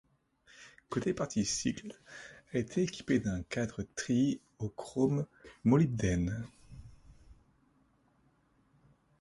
Côté partie cycle, elle était équipée d'un cadre treillis au chrome-molybdène.